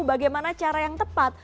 bagaimana cara yang tepat